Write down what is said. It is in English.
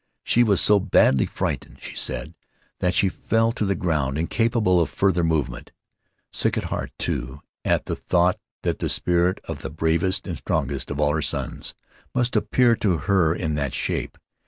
She was so badly frightened, she said, that she fell to the ground, incapable of further movement; sick at heart, too, at the thought that the spirit of the bravest and strongest of all her sons must appear to her in that shape.